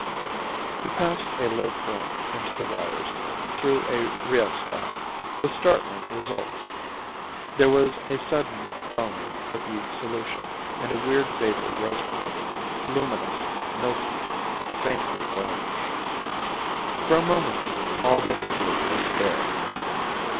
He passed a low current into the wires, through a rheostat, with startling results. There was a sudden foaming of the solution and a weird vapor rose from it, luminous, milky, faintly orange. For a moment, all they could do was stare.